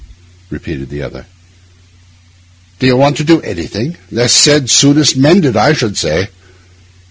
repeated the other. 'Do you want to do anything? Least said soonest mended, I should say.